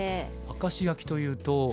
明石焼きというと。